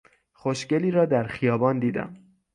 خوشگلی را در خیابان دیدم.